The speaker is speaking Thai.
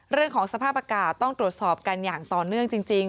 เรื่องของสภาพอากาศต้องตรวจสอบกันอย่างต่อเนื่องจริง